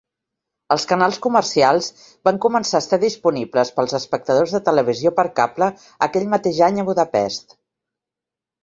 Els canals comercials van començar a estar disponibles pels espectadors de televisió per cable aquell mateix any a Budapest.